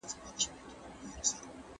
خلګو د زلزلې په اړه خبري کولي.